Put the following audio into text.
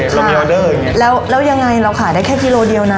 เรามีออเดอร์อย่างเงี้แล้วแล้วยังไงเราขายได้แค่กิโลเดียวนะ